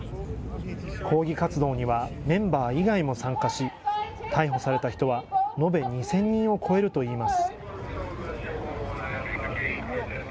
抗議活動にはメンバー以外も参加し、逮捕された人は延べ２０００人を超えるといいます。